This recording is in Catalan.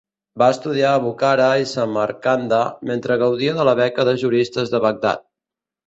Va estudiar a Bukhara i Samarcanda mentre gaudia de la beca de juristes de Bagdad.